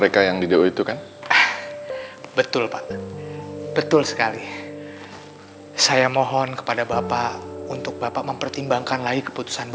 bapak yang di deo itu kan betul pak betul sekali saya mohon kepada bapak untuk bapak mempertimbangkan lagi keputusan saya